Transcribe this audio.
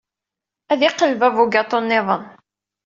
Ad d-iqelleb abugaṭu niḍen.